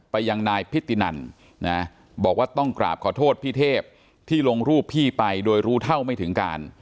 ไปยังนายพิธีนันนะบอกว่าต้องกราบขอโทษพี่เทพที่ลงรูปพี่ไปโดยรู้เท่าไม่ถึงการ